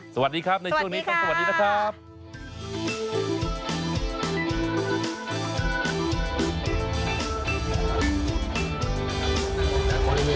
สวัสดีครับในช่วงนี้ครับสวัสดีนะครับ